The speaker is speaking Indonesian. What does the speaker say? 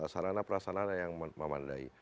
sarana perasanana yang memandai